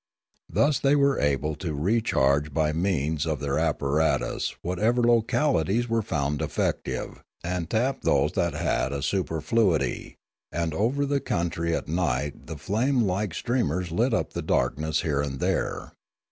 Thus were they able to recharge by means of their The Lilaran 189 apparatus whatever localities were found defective, and tap those that had a superfluity; and over the country at night the flame like streamers lit up the darkness here and there.